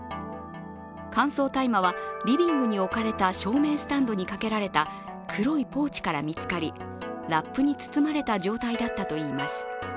乾燥大麻はリビングに置かれた照明スタンドにかけられた黒いポーチから見つかり、ラップに包まれた状態だったといいます。